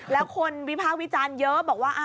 แล้วคนวิพากษ์วิจารณ์เยอะบอกว่า